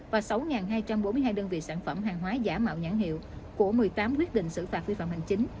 và sáu hai trăm bốn mươi hai đơn vị sản phẩm hàng hóa giả mạo nhãn hiệu của một mươi tám quyết định xử phạt vi phạm hành chính